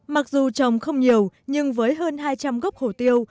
mặc dù trồng không nhiều nhưng với hơn hai trăm linh gốc hồ tiêu